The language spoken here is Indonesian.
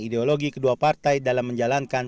ideologi kedua partai dalam menjalankan